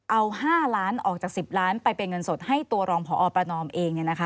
เอา๕ล้านออกจาก๑๐ล้านไปเป็นเงินสดให้ตัวรองพอประนอมเอง